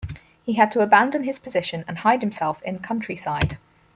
He had to abandon his position and hide himself in countryside.